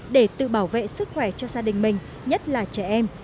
để tự bảo vệ sức khỏe cho gia đình mình nhất là trẻ em